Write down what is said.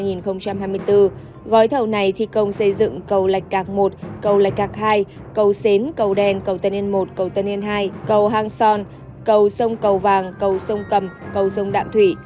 gói thầu này thi công xây dựng cầu lạch một cầu lạch hai cầu xến cầu đen cầu tân yên một cầu tân yên hai cầu hang son cầu sông cầu vàng cầu sông cầm cầu sông đạm thủy